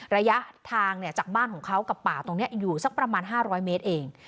ระยะทางจากบ้านของเขากับป่าตรงนี้อยู่สักประมาณ๕๐๐เมตรเอง